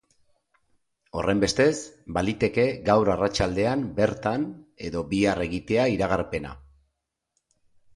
Horrenbestez, baliteke gaur arratsaldean bertan edo bihar egitea iragarpena.